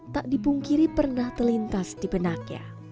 tak dipungkiri pernah terlintas di benaknya